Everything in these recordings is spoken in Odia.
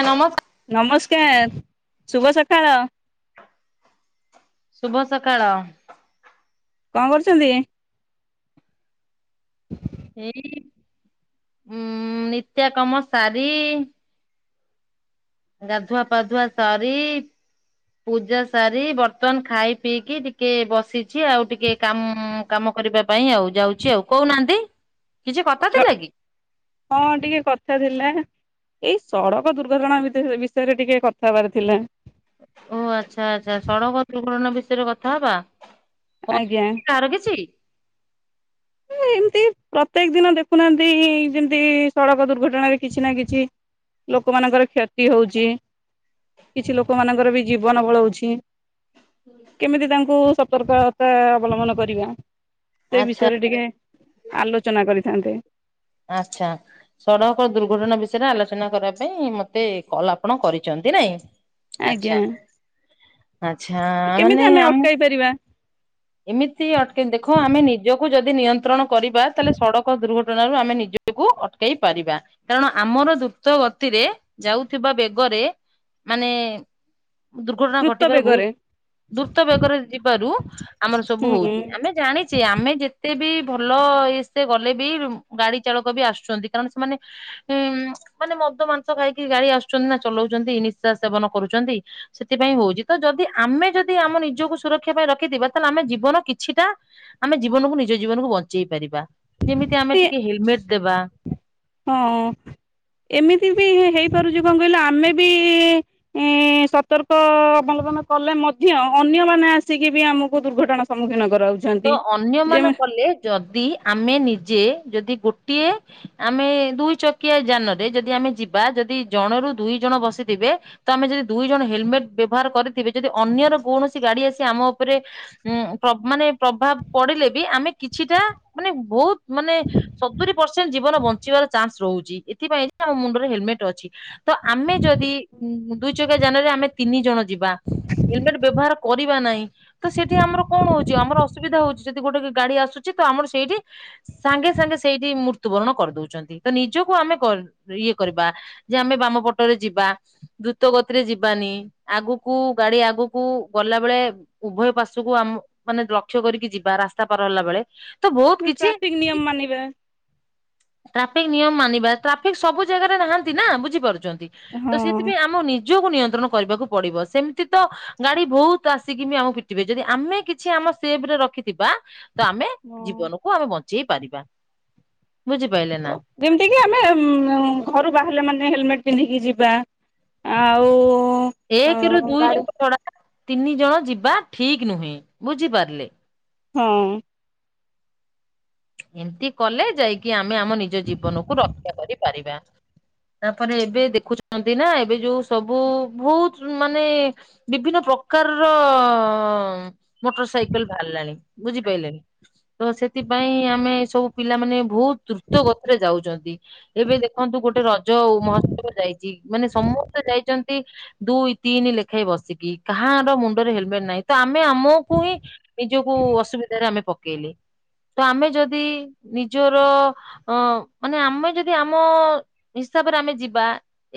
ଆଜ୍ଞା ନମସ୍କା ନମସ୍କାର ଶୁଭ ସକାଳ। ଶୁଭ ସକାଳ। କଣ କରୁଛନ୍ତି। ଏଇ ଉ ନିତ୍ୟା କାମ ସାରି ଗାଧୁଆ ପାଧୁଆ ସରି ପୂଜା ସାରି ବର୍ତ୍ତମାନ ଖାଇ ପିଇକି ଟିକେ ବସିଚି ଆଉ ଟିକେ କାମ କାମ କରିବା ପାଇଁ ଆଉ ଯାଉଚି ଆଉ କହୁନାହାନ୍ତି କିଛି କଥା ର ଥିଲା କି। ହଁ ଟିକେ କଥା ଥିଲା। ଏଇ ସଡ଼କ ଦୁର୍ଘଟଣା ବିଷୟରେ ଟିକେ କଥାହବାର ଥିଲା। ଓ ଆଚ୍ଛା ଆଚ୍ଛା ସଡ଼କ ଦୁର୍ଘଟଣା ବିଷୟରେ କଥା ହବା କ ଆଜ୍ଞା କାହାର କିଛି ଏମିତି ପ୍ରତ୍ୟେକ ଦିନ ଦେଖୁନାହାନ୍ତି ଯେମିତି ସଡ଼କ ଦୁର୍ଘଟଣାରେ କିଛି ନା କିଛି ଲୋକମାନଙ୍କର କ୍ଷତି ହଉଚି। କିଛି ଲୋକମାନଙ୍କର ବି ଜୀବନ ପଳଉଛି। କେମିତି ତାଙ୍କୁ ସତର୍କତା ଅବଲମ୍ବନ କରିବା ସେଇ ବିଷ ଆଚ୍ଛା ଟିକେ ଆଲୋଚନା କରିଥାନ୍ତେ। ଆଛା। ସଡ଼କ ଦୁର୍ଘଟଣା ବିଷୟରେ ଆଲୋଚନା କରିବା ପାଇଁ ମତେ କଲ୍ ଆପଣ କରିଚନ୍ତି ନାଇଁ। ଆଜ୍ଞା ଆଚ୍ଛା ଆଚ୍ଛା କେମିତି ମାନେ ଆମେ ଆମ ଅଟକାଇ ପାରିବା ଏମିତି ଅଟକ ଦେଖ ଆମେ ନିଜକୁ ଯଦି ନିୟନ୍ତ୍ରଣ କରିବା ତାହେଲେ ସଡ଼କ ଦୁର୍ଘ ତେଣୁ ଆମେ ନିଜକୁ ଅଟକେଇ ପାରିବା କାରଣ ଆମର ଦ୍ରୁତ ଗତିରେ ଯାଉଥିବା ବେଗରେ ମାନେ ଦୁର୍ଘଟଣା ଦ୍ରୁତ ଘଟିବାରେ ବହୁତ ବେଗରେ ଦୁର୍ତ ବେଗରେ ଯିବାରୁ ଆମର ସବୁ ହୁଁ ହୁଁ, ହଉଚି ଆମେ ଜାଣି ଚେ ଆମେ ଯେତେ ବି ଭଲ ସେ ଗଲେ ବି ଗାଡ଼ି ଚାଳକ ବି ଆସୁଛନ୍ତି କାରଣ ସେମାନେ ଉଁ ମାନେ ମଦ ମାଂସ ଖାଇକି ଗାଡ଼ି ଆସୁଛନ୍ତି ନା ଚଲାଉଛନ୍ତି ନିଶା ସେବନ କରୁଛନ୍ତି। ସେଥିପାଇଁ ହଉଛି ତ ଯଦି ଆମେ ଯଦି ଆମ ନିଜକୁ ସୁରକ୍ଷା ପାଇଁ ରଖିଥିବା ତାହେଲେ ଆମେ ଜୀବନ କିଛିଟା ଆମେ ଜୀବନକୁ ନିଜ ଜୀବନକୁ ବଞ୍ଚେଇ ପାରିବା ଯେମିତି ଆମେ ସେ ଟିକେ ହେଲମେଟ୍ ଦେବା। ହଁ ଏମିତି ବି ହେଇପାରୁଚି କଣ କହିଲ ଆମେ ବି ଏ ସତର୍କ ଅବଲମ୍ବନ କଲେ ମଧ୍ୟ ଅନ୍ୟମାନେ ଆସିକି ବି ଆମକୁ ଦୁର୍ଘଟଣା ସମ୍ମୁଖୀନ କରାଉଚି ତ ଅନ୍ୟ ମାନେ କଲେ ଯଦି ଆମେ ନିଜେ ଯଦି ଗୋଟିଏ ଆମେ ଦୁଇ ଚକିଆ ଯାନରେ ଯଦି ଆମେ ଯିବା ଯଦି ଜଣରୁୁ ଦୁଇ ଜଣ ବସିଥିବେ ତ ଆମେ ଯଦି ଦୁଇ ଜଣ ହେଲମେଟ୍ ବ୍ୟବହାର କରିଥିବେ ଯଦି ଅନ୍ୟର କୌଣସି ଗାଡ଼ି ଆସି ଆମ ଉପରେ ଉଁ ପ୍ର ମାନେ ପ୍ରଭାବ ପଡ଼ିଲେ ବି ଆମେ କିଛିଟା ମାନେ ବହୁତ ମାନେ ସତୁରି ପରସେଣ୍ଟ ଜୀବନ ବଞ୍ଚିବାର ଚାନ୍ସ ରହୁଚି ଏଥିପାଇଁ ଯେ ଆମ ମୁଣ୍ଡରେ ହେଲମେଟ ଅଛି। ତ ଆମେ ଯଦି ଉ ଦୁଇ ଚକା ଯାନରେ ଆମେ ତିନି ଜଣ ଯିବା ହେଲମେଟ୍ ବ୍ୟବହାର କରିବା ନାହିଁ ତ ସେଠି ଆମର କଣ ହଉଚି ଆମର ଅସୁ ଅସୁବିଧା ହେଉଚି ଯଦି ଗୋଟେ ଗାଡ଼ି ଆସୁଚି ତ ଆମର ସେଇଠି ସାଙ୍ଗେ ସାଙ୍ଗେ ସେଇଠି ମୃତ୍ୟୁବରଣ କରିଦଉଚନ୍ତି ତ ନିଜକୁ ଆମେ କ ଇଏ କରିବା ଯେ ଆମେ ବାମ ପଟରେ ଯିବା ଦ୍ରୁତ ଗତିରେ ଯିବାନି ଆଗକୁ ଗାଡି ଆଗକୁ ଗଲା ବେଳେ। ଉଭୟ ପାର୍ଶ୍ୱ କୁ ଆମ ମାନେ ଲକ୍ଷ୍ୟ କରିକି ଯିବା ରାସ୍ତା ପାର ହେଲା ବେଳେ। ତ ବହୁତ କିଛି। ଟ୍ରାଫିକ ନିୟମ ମାନିବା ଟ୍ରାଫିକ ନିୟମ ମାନିବା ଟ୍ରାଫିକ ସବୁ ଜାଗାରେ ନାହାନ୍ତି ନା ବୁଝିପାରୁଛନ୍ତି। ହଁ। ତ ସେଥିପାଇଁ ଆମ ନିଜକୁ ନିୟନ୍ତ୍ରଣ କରିବାକୁ ପଡିବ ସେମିତି ତ। ଗାଡି ବହୁତ ଆସିକି ବି ଆମକୁ ପିଟିବେ ଯଦି ଆମେ କିଛି ଆମ। ସେଭ ରେ ରଖିଥିବା ତ ଆମେ ହଁ। ଜୀବନକୁ ଆମେ ବଞ୍ଚେଇ ପାରିବା। ବୁଝିପାଇଲେ ନା। ଯେମିତି କି ଆମେ ଘରୁ ବାହାରିଲେ ମାନେ ହେଲମେଟ ପିନ୍ଧିକି ଯିବା। ଆଉ। ଏକ ରୁ ଅ ଦୁଇ ଜଣ ଗାଡି ଛଡା ତିନି ଜଣ ଯିବା ଠିକ ନୁହେଁ ବୁଝିପାରିଲେ। ହଁ। ଏମିତି କଲେ ଯାଇକି ଆମେ ଆମ ନିଜ ଜୀବନକୁୁ ରକ୍ଷା କରିପାରିବା। ତାପରେ ଏବେ ଦେଖୁଛନ୍ତି ନା ଏବେ ଯୋଉ ସବୁ ବହୁତ ମାନେ। ବିଭିନ୍ନ ପ୍ରକାରର ମୋଟର ସାଇକେଲ ବାହାରିଲାଣି ବୁଝିପାରିଲେନି। ତ ସେଥିପାଇଁ ଆମେ ସବୁ ପିଲାମାନେ ବହୁତ ଦ୍ରୁତ ଗତିରେ ଯାଉଛନ୍ତି। ଏବେ ଦେଖନ୍ତୁ ଗୋଟେ ରଜ ଆଉ ମହୋତ୍ସବ ଯାଇଛି ମାନେ ସମସ୍ତେ ଯାଇଛନ୍ତି ଦୁଇ। ତିନି ଲେଖାଏଁ ବସିକି କାହାର ର ମୁଣ୍ଡରେ ହେଲମେଟ ନାହିଁ। ତ ଆମେ ଆମକୁ ହିଁ ନିଜକୁ ଅସୁବିଧାରେ ଆମେ ପକେଇଲେ ତ ଆମେ। ଯଦି ନିଜର। ଅ ମାନେ ଆମେ ଯଦି ଆମ ହିସାବରେ ଆମେ ଯିବା।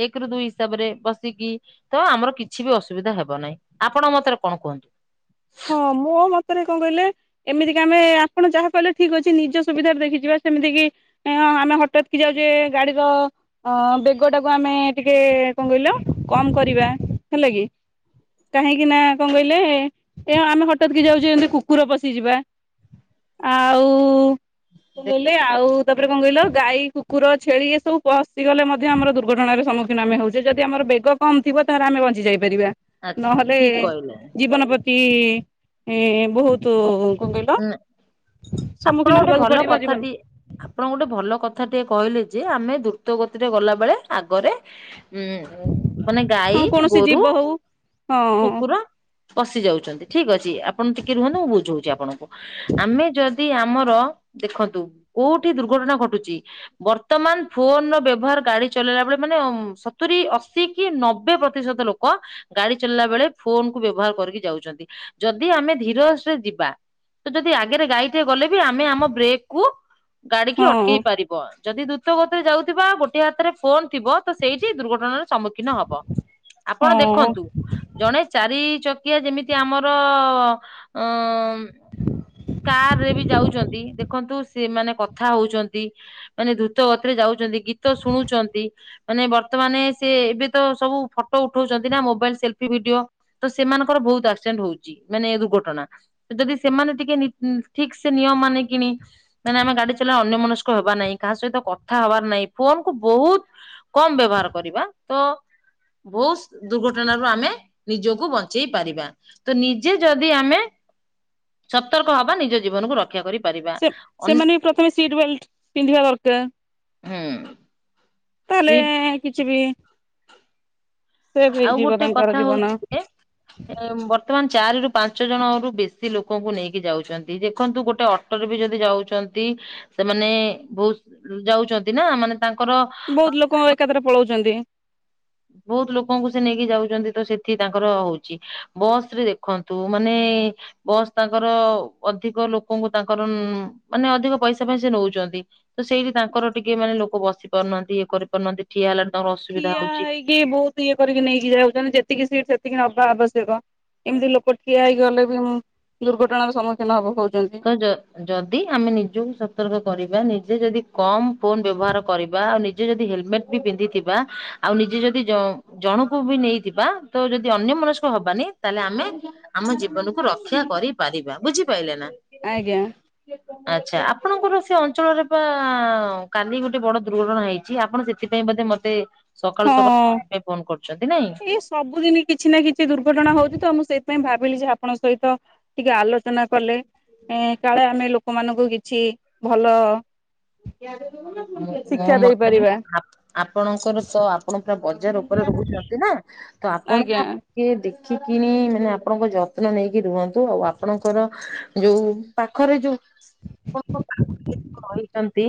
ଏକ ରୁ ଦୁଇ ହିସାବ ରେ ବସିକି। ତ ଆମର କିଛି ବି ଅସୁବିଧା ହେବ ନାହିଁ ଆପଣ ମତରେ କଣ କୁହନ୍ତୁ। ହଁ ମୋ ମତରେ କଣ କହିଲେ। ଏମିତି କି ଆମେ ଆପଣ ଯାହା କହିଲେ ଠିକ ଅଛି ନିଜ ସୁବିଧାରେ ଦେଖିଯିବା ସେମିତି କିି। ଇ ଅଁ ଆମେ ହଠତ୍ କି ଯାଉଛେ ଗାଡିର। ଅ ବେଗ ଟାକୁ ଆମେ ଟିକେ କଣ କହିଲ କମ କରିବା ହେଲା କି। କାହିଁକି ନା କଣ କହିଲେ। ଏ ଆମେ ହଠାତ୍ କି ଯାଉଛେ ଏମିତି କୁକୁର ପଶିଯିବା ଆଉ। କଣ କହିଲେ ଆଉ। ତାପରେ କଣ କହିଲ ଗାଈ କୁକୁର ଛେଳି ଏସବୁ ପଶିଗଲେ ମଧ୍ୟ ଆମର ଦୁର୍ଘଟଣାର ସମ୍ମୁଖୀନ ଆମେ ହଉଛେ ଯଦି ଆମର ବେଗ। କମ ଥିବ ତାର ଆମେ ବଞ୍ଚି ଯାଇ ପାରିବା ଆଚ୍ଛା ନହେଲେ ଠିକ କହିଲେ। ଜୀବନ ପ୍ରତି କି ଏଁ ବହୁତ। ତୁ କଣ କହିଲ ହୁଁ ଆପଣ ସମ୍ମୁଖୀନ ଗୋଟେ ହେବାକୁ ଭଲ ପଡିବ ଜୀବନ। କଥାଟି ଆପଣ ଗୋଟେ ଭଲ କଥା ଟିକେ କହିଲେ ଯେ ଆମେ ଦ୍ରୁତ ଗତିରେ ଗଲାବେେଳେ ଆଗରେ। ଉଁ ମାନେ ଗାଈ, ହଁ କୌଣସି ଗୋରୁ, ଜୀବ ହଉ ହଁ କୁକୁର। ପଶି ଯାଉଛନ୍ତି ଠିକ ଅଛି ଆପଣ ଟିକେ ରୁହନ୍ତୁ ମୁଁ ବୁଝଉଛି ଆପଣଙ୍କୁ ଆମେ ଯଦି। ଦି ଆମର ଦେଖନ୍ତୁ କୋଉଠି ଦୁର୍ଘଟଣା ଘଟୁଛି। ବର୍ତ୍ତମାନ ଫୋନ ର ବ୍ୟବହାର ଗାଡି ଚଲେଇଲା ବେଳେ ମାନେ ଅଁ ସତୁରି ଅଶୀ। କି ନବେ ପ୍ରତିଶତ ଲୋକ ଗାଡି ଚଲାଇଲା ବେଳେ ଫୋନ କୁ ବ୍ୟବହାର କରିକି ଯାଉଛନ୍ତି। ଯଦି ଆମେ ଧୀର ସ ରେ ଯିବା। ତ ଯଦି ଆଗରେ ଗାଈ ଟେ ଗଲେ ବି ଆମେ ଆମ ବ୍ରେକ କୁ ଗାଡିକି ହଁ ଅଟକେଇ ପାରିବାୁ କ ଯଦି ଦ୍ରୁତ ଗତିରେ ଯାଉଥିବା ଗୋଟେ ହାତରେ ଫୋନ ଥିବ ତ ସେଇଠି ଦୁର୍ଘଟଣା ର। ସମ୍ମୁଖୀନ ହବ ଆପଣ ହଁ ଦେଖନ୍ତୁ। ଜଣେ ଚାରି ଚକିଆ ଯେମିତି ଆମର ଅଁ। କାରରେ ବି ଯାଉଛନ୍ତି ଦେଖନ୍ତୁ ସେମାନେ କଥା ହଉଛନ୍ତି। ମାନେ ଦ୍ରୁତ ଗତିରେ ଯାଉଛନ୍ତି ଗୀତ ଶୁଣୁଛନ୍ତି। ମାନେ ବର୍ତ୍ତମାନ ସେ ଏବେ ତ ସବୁ ଫଟୋ ଉଠଉଛନ୍ତି ନା ମୋବାଇଲ ସେଲଫି ଭିଡିଓ। ତ ସେମାନଙ୍କର ବହୁତ ଆକ୍ସିଡେଣ୍ଟ ହଉଛି ମାନେ ଏ ଦୁର୍ଘଟଣା ଯଦି। ସେମାନେ ଟିକେ ନି ଠିକ ସେ ନିୟମ ମାନି କିଣି। ନାଇଁ ଆମେ ଗାଡି ଚଲେଇବା ଅନ୍ୟ ମନସ୍କ ହେବା ନାାଇଁ କାହା ସହିତ କଥା ହବାର ନାହିଁ ଫୋନ କୁ ବହୁତ କମ ବ୍ୟବହାର କରିବା ତ ବହୁତ ଦୁର୍ଘଟଣ ର ଆମେ ନିଜକୁ ବଞ୍ଚେଇ ପାରିବା। ତ ନିଜେ ଯଦି ଆମେ। ସତର୍କ ହବା ନିଜ ଜୀବନକୁ ରକ୍ଷା କରି ସେ ସେମାନେ ବି ପ୍ରଥମେ ସିଟ ବେଲ୍ଟ ପିନ୍ଧିବା ଦରକାର। ହୁଁ ତାହେଲେ ସେଇ କିଛି ବି ସେ ବି ହେଇ ଯିବ ତାଙ୍କର ଜୀବନ। ଏ ବର୍ତ୍ତମାନ ଚାରି ରୁ ପାଞ୍ଚ ଜଣ ରୁ ବେଶୀ ଲୋକଙ୍କୁ ନେଇକି ଯାଉଛନ୍ତି ଦେଖନ୍ତୁ ଗୋଟେ ଟ ବି ଯଦି ଯାଉଛନ୍ତି ସେମାନେ ବହୁତ ଯାଉଛନ୍ତି ନା ମାନେ ତାଙ୍କର ବହୁତ ଲୋକ ଏକାଥରେ ପଳଉଛନ୍ତି। ବହୁତ ଲୋକଙ୍କୁ ସେ ନେଇକି ଯାଉଛନ୍ତି ତ ସେଠି ତାଙ୍କର ହଉଛି ବସ ରେ ଦେଖନ୍ତୁ ମାନେ ବସ୍ ତାଙ୍କର ଅଧିକ ଲୋକଙ୍କୁ ତାଙ୍କର ମାନେ ଅଧିକ ପଇସା ଫାଇସ ନଉଛନ୍ତି। ତ ସେଇଠି ତାଙ୍କର ଟିକେ ମାନେ ଲୋକ ବସି ପାରୁନାହାନ୍ତି ଇଏ କରିପାରୁନାହାନ୍ତି। ଠିଆ ହେଲା ଠିଆ ହେଇ କି ବହୁତ ଇଏ କରିକି ନେଇକି ଯାଉଛନ୍ତି ଯେତିକି ସିଟ୍ ସେତିକି ନବା ଆବଶ୍ୟକ ଏମିତି ଲୋକ ଠିଆ ହେଇ ଗଲେ ବି ଦୁର୍ଘଟଣାର ସମ୍ମୁଖୀନ ହବ ହଉଛନ୍ତି। ତ ଯଦି ଆମେ ନିଜକୁ ସତର୍କ କରିବା ନିଜେ ଯଦି କମ ଫୋନ ବ୍ୟବହାର କରିବା ଆଉ ନିଜେ ଯଦି ହେଲମେଟ ବି ପିନ୍ଧିଥିବା ଆଉ ନିଜେ ଯଦି ଜଣକୁ ବି ନେଇଥିବା ତ ଯଦି ଅନ୍ୟ ମନସ୍କ ହବାନି ତାହେଲେ ଆମେ ଆମ ଜୀବନକୁୁ ରକ୍ଷା କରିପାରିବା ବୁଝିପାରିଲେ ନା। ଆଜ୍ଞା ଆଚ୍ଛା ଆପଣଙ୍କର ସେ ଅଞ୍ଚଳରେ ବା କାଲି ଗୋଟେ ବଡ ଦୁର୍ଘଟଣା ହେଇ ଛି ଆପଣ ସେଥିପାଇଁ ବୋଧେ ମତେ ସକାଳୁ ହଁ ସକାଳୁ ପାଇଁ ଫୋନ କରୁଛନ୍ତି ନାଇଁ। ସବୁଦିନ। କିଛି ନା କିଛି ଦୁର୍ଘଟଣା ହଉଛି ତ ମୁଁ ସେଇଥିପାଇଁ ଭାବିଲି ଯେ ଆପଣଙ୍କ ସହିତ ଟିକେ ଆଲୋଚନା କଲେ। ଏ କାଳେ ଆମେ ଲୋକମାନଙ୍କୁ କିଛି ଭଲ ମୋ ଶିକ୍ଷା ମତରେ ଦେଇପାରିବା ଆପଣଙ୍କର ତ। ଆପଣ ପୁରା ବଜାର ଉପରେ ରହୁଛନ୍ତି ନା ତ ଆପଣ ଆଜ୍ଞା ଟିକେ ଦେଖିକିନ ମାନେ ଆପଣଙ୍କ ଯତ୍ନ ନେଇକି ରୁହନ୍ତୁ ଆଉ ଆପଣଙ୍କର ଯୋଉ ପାଖରେ ଯୋଉ ଛନ୍ତି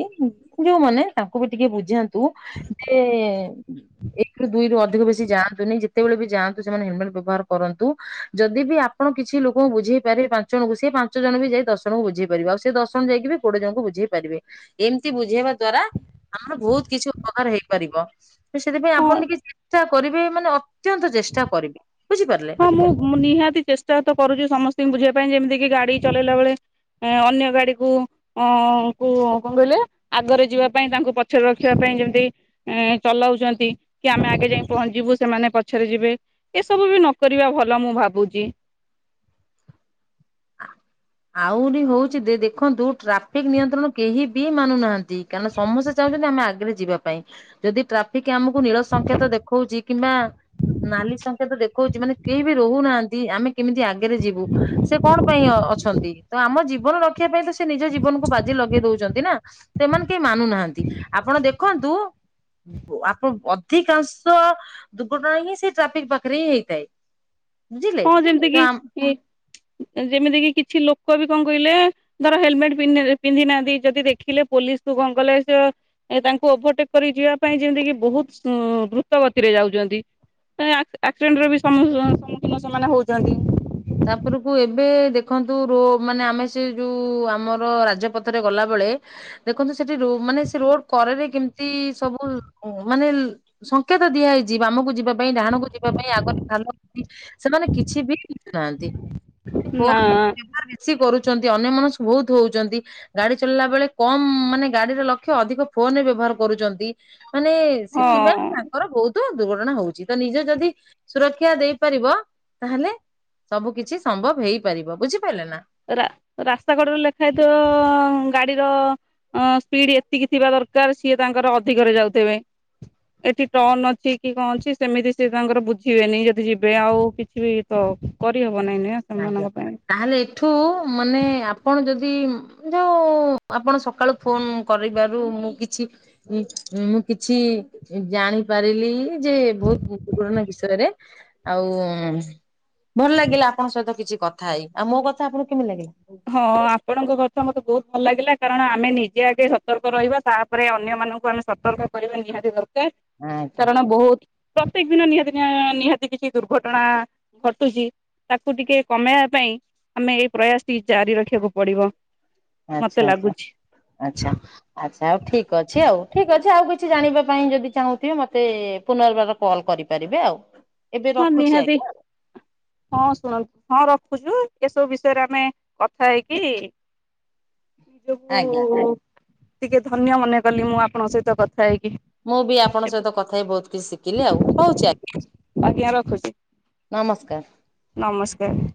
ଯୋଉମାନେ ତାଙ୍କୁ ବି ଟିକେ ବୁଝାନ୍ ତୁ ଯେ ଏକରୁୁ ଦୁଇରୁୁ ଅଧିକ ବେଶୀ ଯାଆନ୍ତୁନି ଯେତେବେଳେ ବି ଯାଆନ୍ତୁ ସେମାନେ ହେଲମେଟ ବ୍ୟବହାର କରନ୍ତୁ। ଯଦି ବି ଆପଣ କିଛି ଲୋକଙ୍କୁ ବୁଝେଇ ପାରିବେ ପାଞ୍ଚ ଜଣଙ୍କୁ ସେ ପାଞ୍ଚ ଜଣ ବି ଯାଇ ଦଶ ଜଣଙ୍କୁ ବୁଝେଇ ପାରିବେ ଆଉ ସେ ଦଶ ଜଣ ଯାଇକି ବି କୋଡିଏ ଜଣଙ୍କୁ ବୁଝେଇ ପାରିବେ। ଏମିତି ବୁଝେଇବା ଦ୍ଵାରା ଆମର ବହୁତ କିଛି ଉପକାର ହେଇପାରିବ ତ ସେଥିପାଇଁ ହଁ ଆପଣ ଟିକେ ଚେଷ୍ଟା କରିବେ ମାନେ ଅତ୍ୟନ୍ତ ଚେଷ୍ଟା କରିବେ ବୁଝିପାରିଲେ। ହଁ ମୁଁ ନିହାତି ଚେଷ୍ଟା ତ କରୁଛି ସମସ୍ତଙ୍କୁ ବୁଝିବା ପାଇଁ ଯେମିତିକ ଗାଡି ଚଲେଇଲା ବେଳେ ଅନ୍ୟ ଗାଡିକୁ ଅ କ କଣ କହିଲେ ଆଗରେ ଯିବା ପାଇଁ ତାଙ୍କୁ ପଛରେ ରଖିବା ପାଇଁ ଯେମିତି ଏ ଚଲାଉଛନ୍ତି କି ଆମେ ଆଗେ ଯାଇ ପହଞ୍ଚିବୁ ସେମାନେ ପଛରେ ଯିବେ ଏସବୁ ବି ନ କରିବା ଭଲ ମୁଁ ଭାବୁଛି। ଆହୁରି ହଉଛି ଦେ ଦେଖନ୍ତୁ ଟ୍ରାଫିକ ନିୟନ୍ତ୍ରଣ କେହି ବି ମାନୁ ନାହାନ୍ତି। କାରଁ ସମସ୍ତେ ଚାହୁଛନ୍ତି ଆମେ ଆଗରେ ଯିବା ପାଇଁ। ଯଦି ଟ୍ରାଫିକ ଆମକୁ ନୀଳ ସଂକେତ ଦେଖଉଛି କିମ୍ବା ନାଲି ସଙ୍କେତ ଦେଖଉଛି ମାନେ କେହି ବି ରହୁନାହାନ୍ତି ଆମେ କେମିତି ଆଗରେ ଯିବୁ ସେ କଣ ପାଇଁ ଅଛନ୍ତି ତ ଆମ ଜୀବନ ରଖିବା ପାଇଁ ତ ସେ ନିଜ ଜୀବନକୁ ବାଜି ଲଗେଇ ଦଉଛନ୍ତି ନା ସେମାନେ କେହି ମାନୁନାହାନ୍ତି ଆପଣ ଦେଖନ୍ତୁ। ଆପଣ ଅଧିକାଂଶ ଦୁର୍ଘଟଣା ହିଁ ସେ ଟ୍ରାଫିକ ପାଖରେ ହିଁ ହେଇଥାଏ ବୁଝିଲେ ହଁ ଯେମିତି ତ ଆମ କିି ଯେମିତି କିି କିଛି ଲୋକ ବି କଣ କହିଲେ ଧର ହେଲମେଟ ପିନ୍ଧି ନାହାନ୍ତି ଯଦି ଦେଖିଲେ ପୋଲିସ କୁ କଣ କଲେ ସେ ଏ ତାଙ୍କୁ ଓଭରଟେକ୍ କରି ଯିବା ପାଇଁ ଯେମିତି କି ବହୁତ ଦ୍ରୁତ ଗତିରେ ଯାଉଛନ୍ତି ଆକ୍ସିଡେଣ୍ଟ ର ସମ୍ମୁଖୀନ ସେମାନେ ହଉଛନ୍ତି ତାପରକୁ ଏବେ ଦେଖନ୍ତୁ ରୋ ମାନେ ଆମେ ସେ ଯୋଉ ଆମର ରାଜପଥରେ ଗଲାବେଳେ ଦେଖନ୍ତୁ ସେଠି ମାନେ ସେ ରୋଡ କରେରେ କେମିତି ସବୁ ମାନେ ସଂଙ୍କେତ ଦିଆହଇଛି ବାମମକୁ ଯିବା ପାଇଁ ଡାହାଣ କକୁ ଯିବା ପାଇଁ ଆଗରେଲ ସେମାନେ କିଛି ବି ହାନ୍ତି ନା ବେଶୀ କରୁଛନ୍ତି ଅନ୍ୟ ମାନଷ ବହୁତ ହଉଛନ୍ତି ଗାଡି ଚଲେଇଲା ବେଳେ କମ ମାନେ ଗାଡିର ଲକ୍ଷ ଅଧିକ ଫୋନ ବ୍ୟବହାର କରୁଛନ୍ତି ମାନେ ହଁ ସେଥିପାଇଁ ର ବହୁତ ଦୁର୍ଘଟଣା ହଉଛି ତ ନିଜ ଯଦି ସୁରକ୍ଷା ଦେଇପାରିବ ତାହେଲେ ସବୁ କିଛି ସମ୍ଭବ ହେଇପାରିବ ବୁଝିପାରିଲେ ନା ରାସ୍ତା କଡରେ ଲେଖା ହେଇଥିବ ଗାଡିର ଅ ସ୍ପିଡ ଏତିକି ଥିବା ଦରକାର ସିଏ ତାଙ୍କର ଅଧିକରେ ଯାଉଥିବେ ଏଠି ଟନ ଅଛି କି କଣ ଅଛି ସେମିତି ସି ତାଙ୍କର ବୁଝିବେନି ଯଦି ଯିବେ ଆଉ କିଛି ବି ତ କରିହବ ନାଇଁ ନ ଆଜ୍ଞା ତାହେଲେ ଏଠୁ ମାନେ ଆପଣ ଯଦି ଯୋଉ ଆପଣ ସକାଳୁ ଫୋନ କରିବାରୁ ମୁଁ କିଛି ଉ ମୁଁ କିଛି ଜାଣିପାରିଲି ଯେ ବହୁତ ଗୁରୁତଵପୂର୍ଣ ବିଷୟରେ ଆଉ ଭଲ ଲାଗିଲା ଆପଣଙ୍କ ସହିତ କିଛି କଥା ହେଇ ଆଉ ମୋ କଥା ଆପଣଙ୍କୁ କେମିତି ଲାଗିଲା ହଁ ଆପଣଙ୍କ କଥା ମତେ ବହୁତ ଭଲ ଲାଗିଲା କାରଣ ଆମେ ନିଜେ ଆଗେ ସତର୍କ ରହିବା ତା ଉପରେ ଅନ୍ୟ ମାନଙ୍କୁ ଆମେ ସତର୍କ କରିବା ନିହାତି ଦରକାର ଆଜ୍ଞା କାରଣ ବହୁତ ପ୍ରତ୍ୟକ ଦିନ ନିହାତି ନିହାତି କିଛି ଦୁର୍ଘଟଣା ଘଟୁଛି ତାକୁ ଟିକେ କମେଇବା ପାଇଁ ଆମେ ଏଇ ପ୍ରୟାସ ଟି ଜାରି ରଖିବାକୁ ପଡିବ ମତେ ଆଚ୍ଛା ଆଚଛା ଲାଗୁଛି ଆଚଛା ଆଚ୍ଛା ଆଉ ଠିକ୍ ଅଛି ଆଉ ଠିକ୍ ଅଛି ଆଉ କିଛି ଜାଣିବା ପାଇଁ ଯଦି ଚାହୁଁଥିବେ ମୋତେ ପୁନର୍ବାର କଲ୍ କରିବ ପାରିବେ ଆଉ ଏବେ ରଖୁଛି ହାନହାାତ ଆଜ୍ଞା ହଁ ଶୁଣନ୍ତୁ ହଁ ରଖୁଛୁ ଏସବୁ ବିଷୟରେ ଆମେ କଥା ହେଇକି [unintelligible] ନିଜକୁ ଆଜ୍ଞା ଟିକେ ଧନ୍ୟ ମନେ କଲି ମୁଁ ଆପଣଙ୍କ ସହିତ କଥା ହେଇକି ମୁଁ ବି ଆପଣଙ୍କ ଏବେ ସହିତ କଥା ହ ବହୁତ କିଛି ଶିଖିଲି ଆଉ ହଉଛି ଆ ଆଜ୍ଞା ରଖୁଛି ନମସ୍କାର